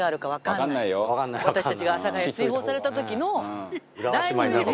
私たちが阿佐ヶ谷追放された時の第２のね。